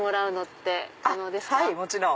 はいもちろん。